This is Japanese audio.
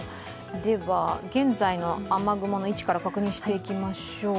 現在の雨雲の位置から確認していきましょう。